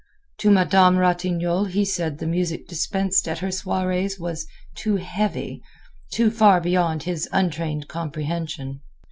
To Madame Ratignolle he said the music dispensed at her soirées was too "heavy," too far beyond his untrained comprehension.